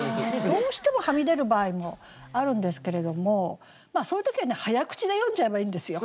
どうしてもはみ出る場合もあるんですけれどもそういう時はね早口で読んじゃえばいいんですよ。